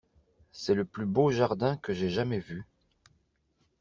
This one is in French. C’est le plus beau jardin que j’aie jamais vu.